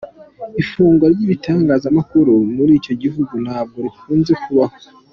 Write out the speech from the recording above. Ifungwa ry’ibitangazamakuru muri icyo gihugu ntabwo rikunze kubaho.